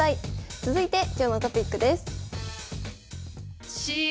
続いて今日のトピックです。